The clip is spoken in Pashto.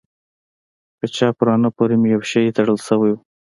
په چپ ورانه پورې مې يو شى تړل سوى و.